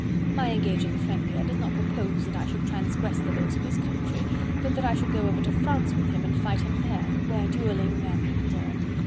My engaging friend here does not propose that I should transgress the laws of this country, but that I should go over to France with him, and fight him there, where duelling and... er...